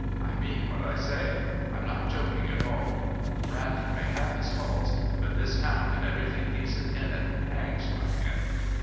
"I mean what I say. I'm not joking at all. Brandon may have his faults, but this town and everything decent in it hangs by him.